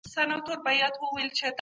پانګوال به تل نوي پانګونه کوي.